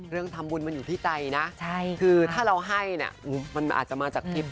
เรื่องทำบุญมันอยู่ที่ใจนะคือถ้าเราให้เนี่ยมันอาจจะมาจากคลิป